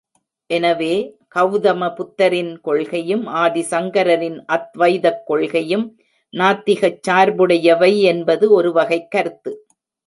எனவே, கவுதமப் புத்தரின் கொள்கையும், ஆதிசங்கரரின் அத்வைதக் கொள்கையும் நாத்திகச் சார்புடையவை என்பது ஒருவகைக் கருத்து.